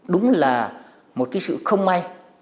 đúng là một cái sự không may